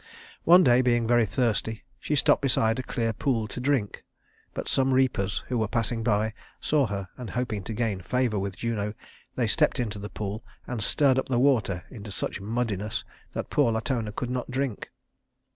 One day, being very thirsty, she stopped beside a clear pool to drink; but some reapers who were passing by saw her, and hoping to gain favor with Juno they stepped into the pool and stirred up the water into such muddiness that poor Latona could not drink.